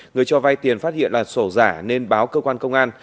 người cho vay tiền phát hiện là sổ giả nên báo cơ quan công an